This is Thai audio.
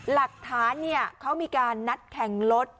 หลักฐานเขามีการนัดแข่งรถ